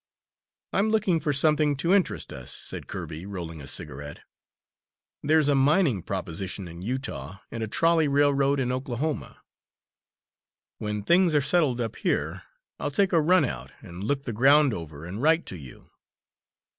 "I'm looking for something to interest us," said Kirby, rolling a cigarette. "There's a mining proposition in Utah, and a trolley railroad in Oklahoma. When things are settled up here, I'll take a run out, and look the ground over, and write to you."